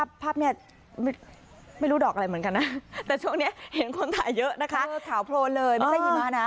ขาวโพลเลยไม่ได้ยินมานะ